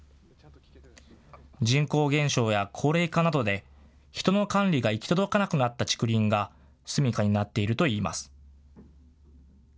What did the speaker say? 人口減少や高齢化などで人の管理が行き届かなくなった竹林が住みかになっているといいます。